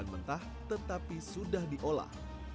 mentah tetapi sudah diolah